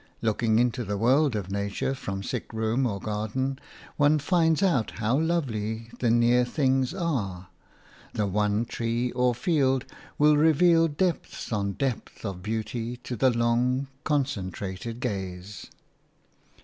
Looking into the world of nature from sickroom or garden, one finds out how lovely the near things are; the one tree or field will reveal depth on depth of beauty to the long, concentrated gaze.